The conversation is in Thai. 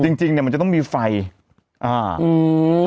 จริงจริงเนี้ยมันจะต้องมีไฟอ่าอืม